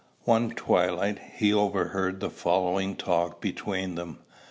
One twilight, he overheard the following talk between them.